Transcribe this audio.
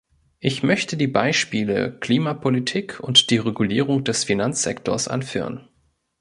Ich möchte die Beispiele Klimapolitik und die Regulierung des Finanzsektors anführen.